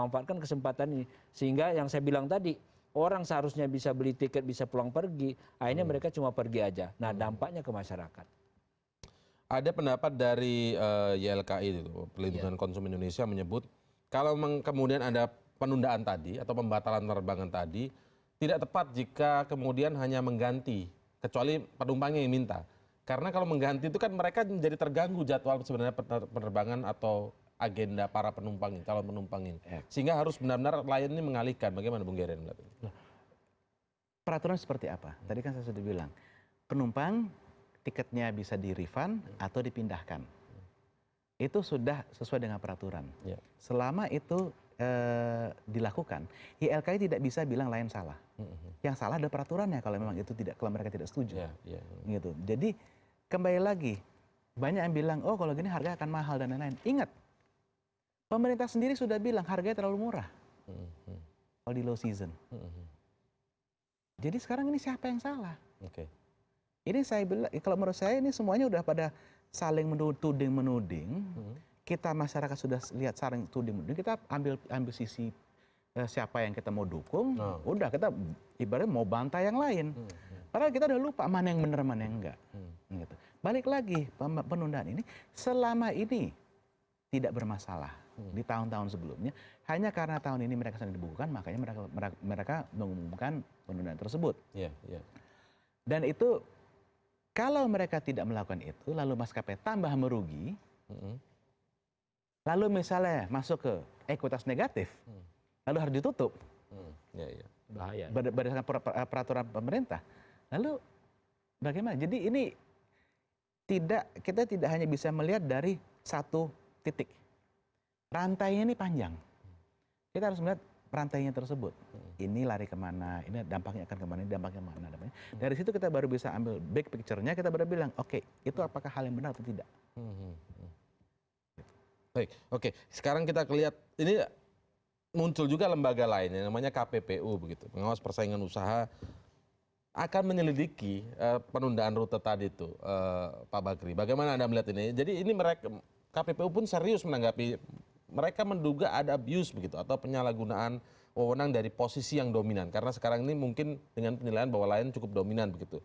karena saya ingin melihat bagaimana anda melihat langkah lion air yang menghentikan sembilan puluh lima rute penerbangan